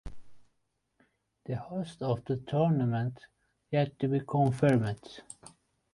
The host of the tournament yet to be confirmed.